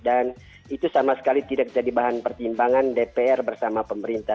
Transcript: dan itu sama sekali tidak jadi bahan pertimbangan dpr bersama pemerintah